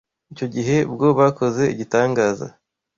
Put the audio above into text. Icyo gihe bwo bakoze igitangaza